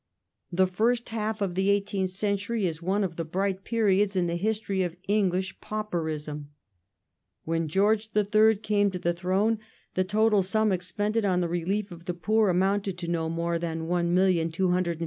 The first half of the eighteenth century is one of the bright periods in the history of English pauperism. When George III. came to the throne the total sum expended on the relief of the poor amounted to no more than £1,250,000, or 3s.